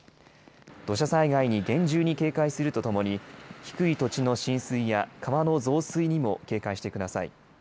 土砂災害に厳重に警戒するとともに、低い土地の浸水や川の増水にも警戒してください。